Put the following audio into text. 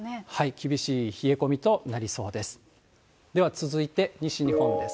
厳しい冷え込みとなりそうです。